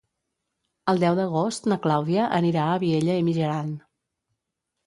El deu d'agost na Clàudia anirà a Vielha e Mijaran.